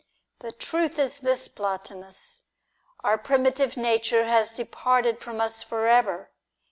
The truth is this, Plotinus. Our primitive nature has departed from us for ever.